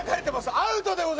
アウトでございます！